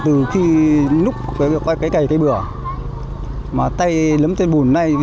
từ khi núp cái cầy cây bửa mà tay lấm trên bùn này